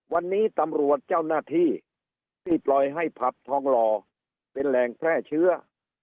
วันนี้ตำรวจเจ้าหน้าที่ที่ปล่อยให้ผับทองหล่อเป็นแหล่งแพร่เชื้อ